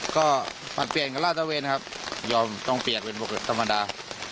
ก็ปัดเปลี่ยนกับลาเจ้าเวรครับยอมต้องเปียกเป็นประเภทธรรมดา